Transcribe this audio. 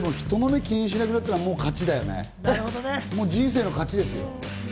人の目を気にしなくなったらもう勝ちだよね、人生の勝ちですよ。